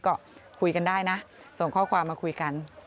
ก็คุยกันได้นะส่งข้อความมาคุยกัน